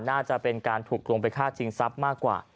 น่าจะเป็นการถูกลวงไปฆ่าชิงทรัพย์มากกว่า